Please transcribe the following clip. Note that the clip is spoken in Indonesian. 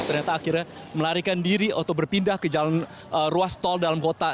ternyata akhirnya melarikan diri atau berpindah ke jalan ruas tol dalam kota